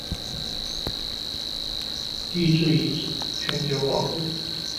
地质遗址全球网络。